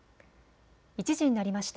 １時になりました。